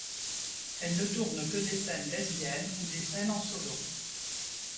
Elle ne tourne que des scènes lesbiennes ou des scènes en solo.